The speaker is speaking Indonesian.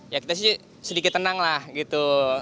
ya kita sih sedikit tenang lah gitu